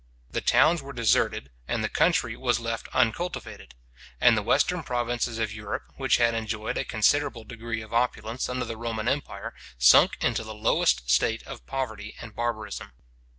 The towns were deserted, and the country was left uncultivated; and the western provinces of Europe, which had enjoyed a considerable degree of opulence under the Roman empire, sunk into the lowest state of poverty and barbarism.